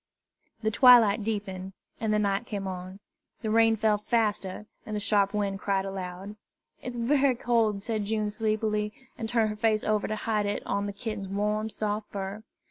The twilight deepened, and the night came on. The rain fell faster, and the sharp wind cried aloud. "It's bery cold," said June sleepily, and turned her face over to hide it on the kitten's warm, soft fur.